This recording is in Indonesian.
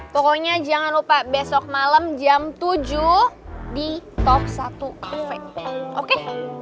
pokoknya jangan lupa besok malam jam tujuh di top satu kafe oke